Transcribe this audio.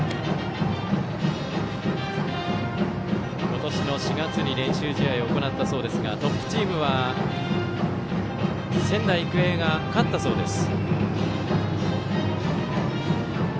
今年の４月に練習試合を行ったそうですがトップチームは仙台育英が勝ったそうです。